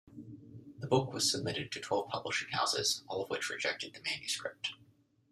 The book was submitted to twelve publishing houses, all of which rejected the manuscript.